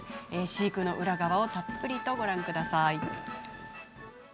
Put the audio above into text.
飼育の裏側をたっぷりとご覧ください。